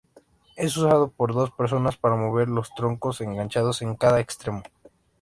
Es usado por dos personas para mover los troncos enganchados en cada extremo.